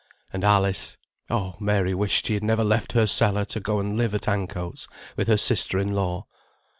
And Alice; oh, Mary wished she had never left her cellar to go and live at Ancoats with her sister in law.